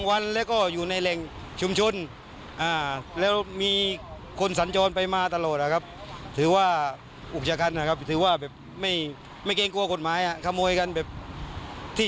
อันนี้ถือว่าเป็นรายที่๓